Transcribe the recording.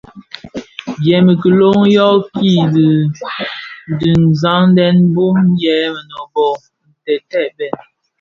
Dièm i kilōň yo yin di dhisaňdèn bum yè mënōbō ntètèbèn.